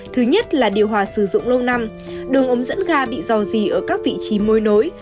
thứ nhất là điều hòa sử dụng lâu năm đường ống dẫn ga bị dò dì ở các vị trí môi nối